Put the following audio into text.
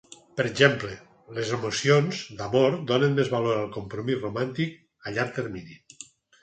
Per exemple, les emocions d'amor donen més valor al compromís romàntic a llarg termini.